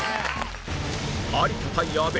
有田対阿部。